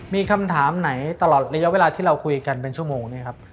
มีคำถามไหนตลอดระยะเวลาที่เราคุยกันเป็นชั่วโมงเนี่ยครับ